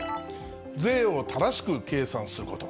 税を正しく計算すること。